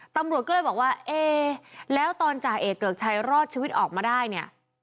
ตำรวจก็เลยบอกว่าเอ๊แล้วตอนจ่าเอกเกริกชัยรอดชีวิตออกมาได้เนี่ย